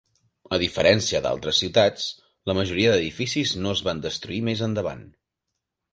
A diferència d'altres ciutats, la majoria d'edificis no es van destruir més endavant.